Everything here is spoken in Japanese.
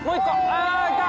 あっいた！